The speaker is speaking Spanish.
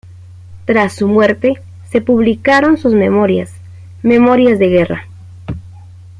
Tras su muerte se publicaron sus memorias: "Memorias de Guerra.